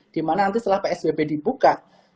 di mana nanti setelah psbb dibuka